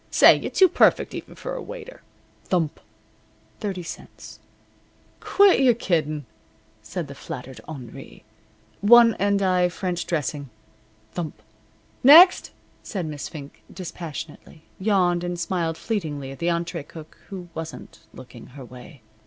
Say; you're too perfect even for a waiter." Thump! Thirty cents. "Quit your kiddin'," said the flattered Henri. "One endive, French dressing." Thump! "Next!" said Miss Fink, dispassionately, yawned, and smiled fleetingly at the entree cook who wasn't looking her way.